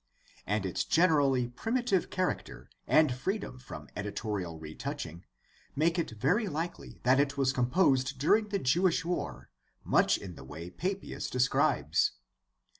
and its generally primitive character and freedom from edi torial retouching make it very likely that it was composed during the Jewish War much in the way Papias describes.